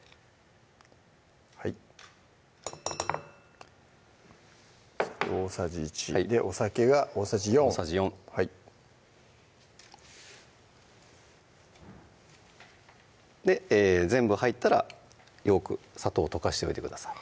はい大さじ１でお酒が大さじ４大さじ４全部入ったらよく砂糖を溶かしておいてください